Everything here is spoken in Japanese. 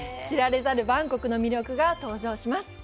知られざるバンコクの魅力が登場します。